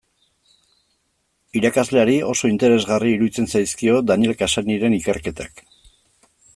Irakasleari oso interesgarria iruditzen zaizkio Daniel Cassanyren ikerketak.